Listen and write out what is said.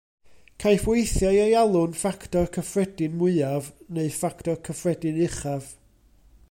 Caiff weithiau ei alw'n ffactor cyffredin mwyaf neu ffactor cyffredin uchaf.